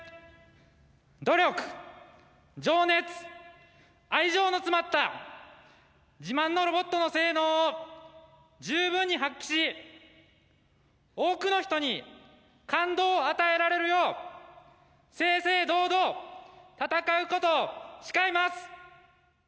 努力情熱愛情の詰まった自慢のロボットの性能を十分に発揮し多くの人に感動を与えられるよう正々堂々戦うことを誓います！